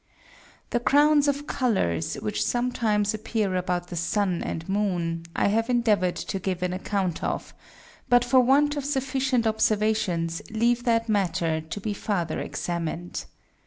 _ _The Crowns of Colours, which sometimes appear about the Sun and Moon, I have endeavoured to give an Account of; but for want of sufficient Observations leave that Matter to be farther examined.